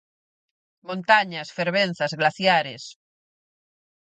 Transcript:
Montañas, fervenzas, glaciares...